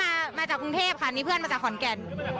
มาจากกรุงเทพค่ะมีเพื่อนมาจากขอนแก่น